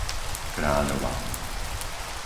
Kráľová